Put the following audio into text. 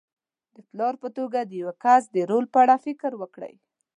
د پلار په توګه د یوه کس د رول په اړه فکر وکړئ.